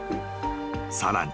［さらに］